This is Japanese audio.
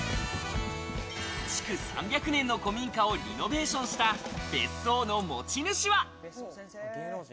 築３００年の古民家をリノベーションした別荘の持ち主は？